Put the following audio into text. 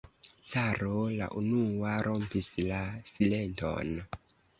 Caro la unua rompis la silenton.